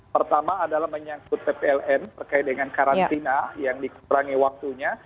pertama adalah menyangkut ppln terkait dengan karantina yang dikurangi waktunya